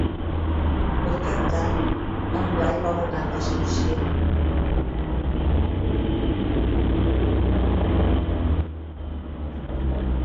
Per Cap d'Any en Blai vol anar d'excursió.